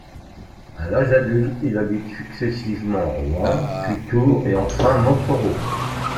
À l'âge adulte, il habite successivement Rouen, puis Tours et enfin Montsoreau.